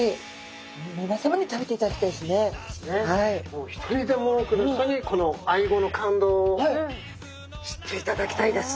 もう一人でも多くの人にこのアイゴの感動を知っていただきたいです。